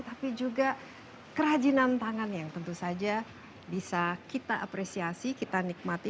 tapi juga kerajinan tangan yang tentu saja bisa kita apresiasi kita nikmati